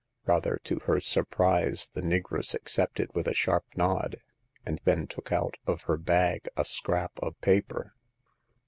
Rather to her surprise, the negress accepted with a sharp nod, and then took out of her bag a scrap of paper.